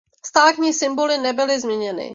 Státní symboly nebyly změněny.